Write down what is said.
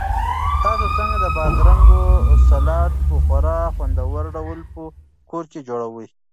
تاسو څنګه د بادرنګو سالاډ په خورا خوندور ډول په کور کې جوړوئ؟